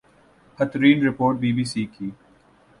ہترین report B B C کی